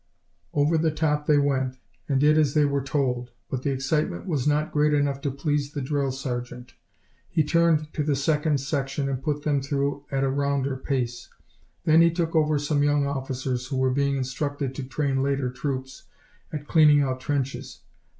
Over the top they went and did as they were told. But the excitement was not great enough to please the drill sergeant. He turned to the second section, and put them through at a rounder pace. Then he took over some young officers, who were being instructed to train later troops, at cleaning out trenches.